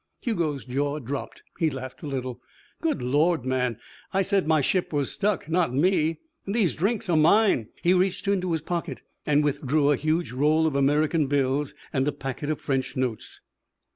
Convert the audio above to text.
Hugo's jaw dropped. He laughed a little. "Good lord, man, I said my ship was stuck. Not me. And these drinks are mine." He reached into his pocket and withdrew a huge roll of American bills and a packet of French notes.